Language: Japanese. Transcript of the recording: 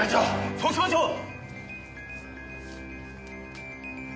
そうしましょう！